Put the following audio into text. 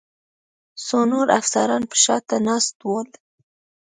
څو نور افسران به شا ته ناست ول.